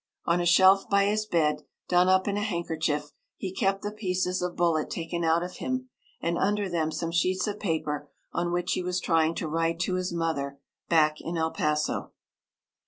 ] On a shelf by his bed, done up in a handkerchief, he kept the pieces of bullet taken out of him, and under them some sheets of paper on which he was trying to write to his mother, back in El Paso.